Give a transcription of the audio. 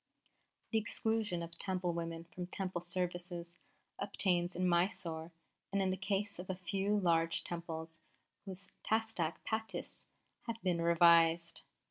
"The exclusion of Temple women from Temple services obtains in Mysore in the case of a few large Temples whose Tasdik Pattis have been revised.